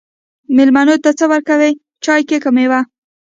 میلمنو ته څه ورکوئ؟ چای، کیک او میوه